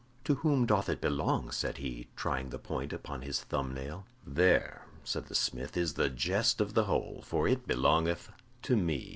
"To whom doth it belong?" said he, trying the point upon his thumb nail. "There," said the smith, "is the jest of the whole, for it belongeth to me.